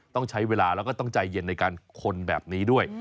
ต้องใช้เวลาแล้วก็ต้องใจเย็นในการคนแบบนี้ด้วย